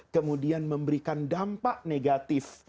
kemudian memberikan dampak negatif